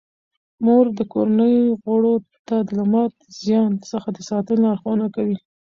مور د کورنۍ غړو ته د لمر د زیان څخه د ساتنې لارښوونه کوي.